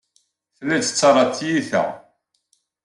Telliḍ tettarraḍ tiyita.